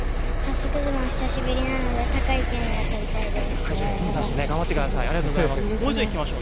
相撲、久しぶりなので高い順位を取りたいです。